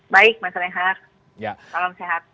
baik mas rehat salam sehat